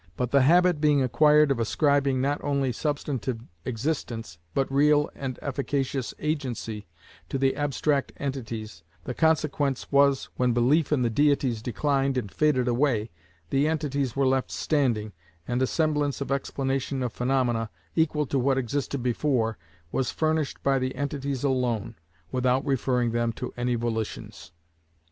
But the habit being acquired of ascribing not only substantive existence, but real and efficacious agency, to the abstract entities, the consequence was that when belief in the deities declined and faded away, the entities were left standing, and a semblance of explanation of phaenomena, equal to what existed before, was furnished by the entities alone, without referring them to any volitions.